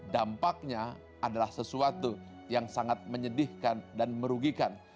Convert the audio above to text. dampaknya adalah sesuatu yang sangat menyedihkan dan merugikan